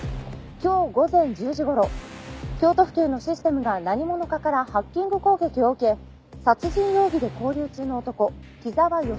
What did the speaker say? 「今日午前１０時頃京都府警のシステムが何者かからハッキング攻撃を受け殺人容疑で勾留中の男木沢義輝が逃走しました」